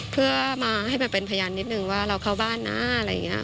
เพื่อมาให้แบบเป็นพยานนิดนึงว่าเราเข้าบ้านนะอะไรอย่างนี้